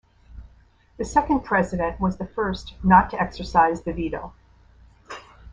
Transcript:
The second president was the first not to exercise the veto.